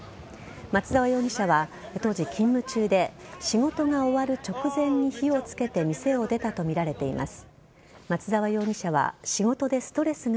松沢容疑者は当時、勤務中で仕事が終わる直前に火をつけて店を出たとみられています。